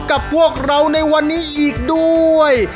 กับพวกเราในวันนี้อีกด้วย